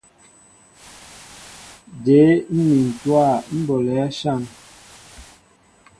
Jě mmin ntówa ḿ bolɛέ áshȃn ?